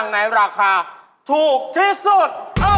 ไม่แพง